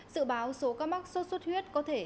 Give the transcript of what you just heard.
dự báo số ca mắc số suất huyết có thể